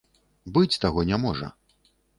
Быць таго не можа.